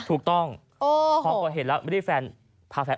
พร้อมกับหยิบมือถือขึ้นไปแอบถ่ายเลย